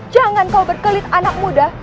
jangan kau berkelit anak muda